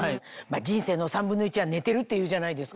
人生の３分の１は寝てるっていうじゃないですか。